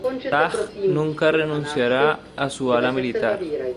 Fatah nunca renunciará a su ala militar.